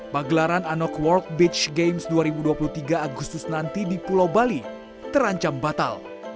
pagelaran anoc world beach games dua ribu dua puluh tiga agustus nanti di pulau bali terancam batal